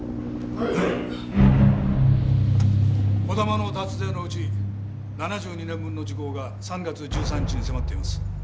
児玉の脱税のうち７２年分の時効が３月１３日に迫っています。